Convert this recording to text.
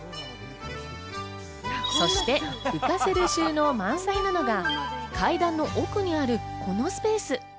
そして浮かせる収納満載なのが、階段の奥にあるこのスペース。